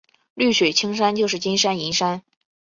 绿水青山就是金山银山